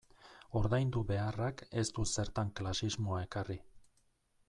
Ordaindu beharrak ez du zertan klasismoa ekarri.